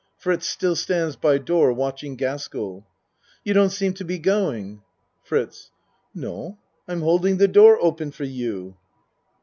(Fritz still stands by door watching Gaskell.) You don't seem to be going? FRITZ No, I'm holding the door open for you.